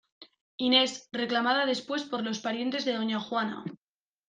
Inés reclamada después por los parientes de doña juana.